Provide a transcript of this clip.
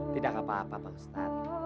tidak apa apa pak ustadz